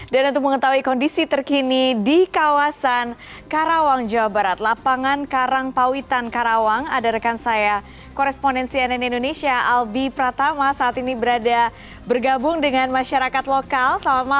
dan untuk mengetahui kondisi terkini di kawasan karawang jawa barat lapangan karangpawitan karawang ada rekan saya korespondensi nn indonesia albi pratama saat ini bergabung dengan masyarakat lokal